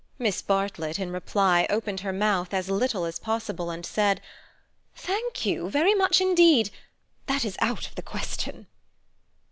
Miss Bartlett, in reply, opened her mouth as little as possible, and said "Thank you very much indeed; that is out of the question."